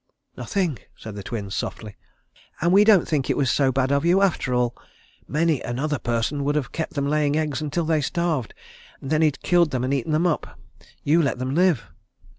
"Nothing," said the Twins softly. "And we don't think it was so bad of you after all. Many another person would have kept them laying eggs until they starved, and then he'd have killed them and eaten them up. You let them live."